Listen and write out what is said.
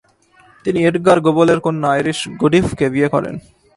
তিনি এডগার গোবলের কন্যা আইরিস গুডিভকে বিয়ে করেন।